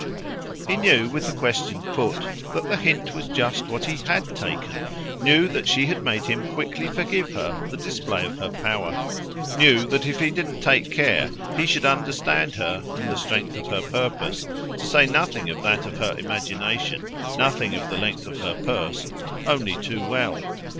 He knew, with the question put, that the hint was just what he HAD taken; knew that she had made him quickly forgive her the display of her power; knew that if he didn't take care he should understand her, and the strength of her purpose, to say nothing of that of her imagination, nothing of the length of her purse, only too well.